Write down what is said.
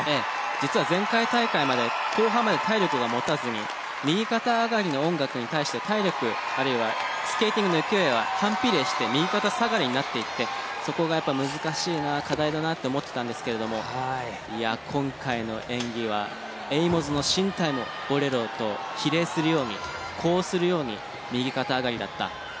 実は前回大会まで後半まで体力が持たずに右肩上がりの音楽に対して体力あるいはスケーティングの勢いは反比例して右肩下がりになっていってそこがやっぱり難しいな課題だなと思ってたんですけれどもいや今回の演技はエイモズの身体も『ボレロ』と比例するように呼応するように右肩上がりだった。